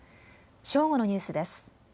正午のニュースです。